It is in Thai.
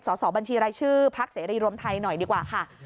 สอบบัญชีรายชื่อพักเสรีรวมไทยหน่อยดีกว่าค่ะ